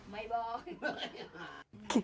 ไม่บอก